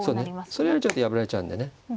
それはちょっと破られちゃうんでね。